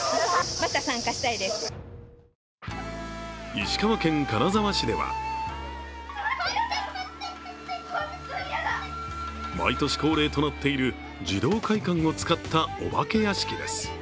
石川県金沢市では毎年恒例となっている児童会館を使った、お化け屋敷です。